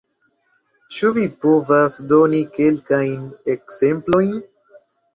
Ĉu vi povas doni kelkajn ekzemplojn?